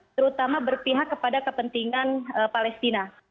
terutama berpihak kepada kepentingan palestina